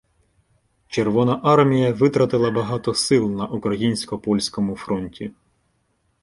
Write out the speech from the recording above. Червона армія витратила багато сил на українсько-польському фронті.